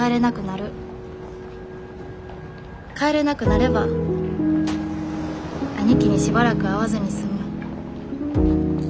帰れなくなれば兄貴にしばらく会わずに済む。